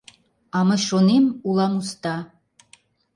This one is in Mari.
А мый шонем — улам уста.